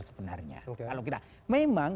sebenarnya kalau kita memang